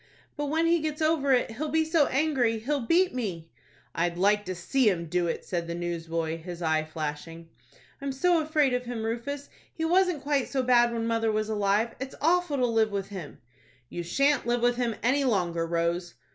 "But when he gets over it, he'll be so angry, he'll beat me." "I'd like to see him do it!" said the newsboy, his eye flashing. "I'm so afraid of him, Rufus. He wasn't quite so bad when mother was alive. It's awful to live with him." "You shan't live with him any longer, Rose."